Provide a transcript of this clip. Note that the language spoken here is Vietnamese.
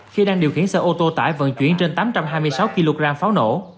khi đang điều khiển xe ô tô tải vận chuyển trên tám trăm hai mươi sáu kg pháo nổ